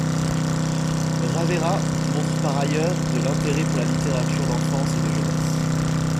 Raverat montre par ailleurs de l'intérêt pour la littérature d'enfance et de jeunesse.